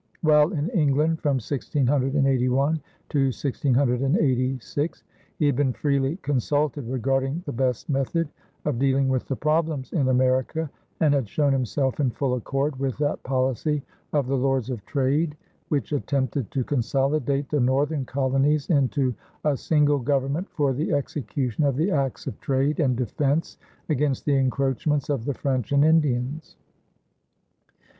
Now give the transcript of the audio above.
While in England from 1681 to 1686, he had been freely consulted regarding the best method of dealing with the problems in America and had shown himself in full accord with that policy of the Lords of Trade which attempted to consolidate the northern colonies into a single government for the execution of the acts of trade and defense against the encroachments of the French and Indians.